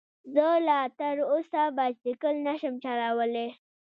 زه لا تر اوسه بايسکل نشم چلولی